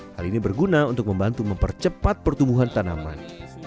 hal ini berguna untuk membantu mempercepat pertumbuhan tanaman